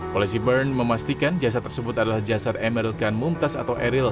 polisi bern memastikan jasad tersebut adalah jasad emeril kan mumtaz atau eril